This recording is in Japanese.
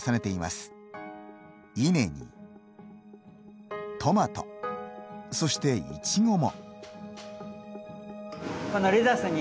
稲にトマトそしてイチゴも。